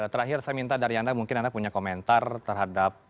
terakhir saya minta dari anda mungkin anda punya komentar terhadap